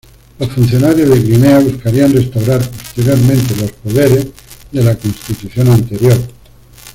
Los funcionarios de Crimea buscarían restaurar posteriormente los poderes de la Constitución anterior.